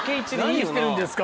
「何してるんですか」